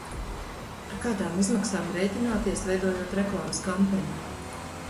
Ar kādām izmaksām rēķināties, veidojot reklāmas kampaņu?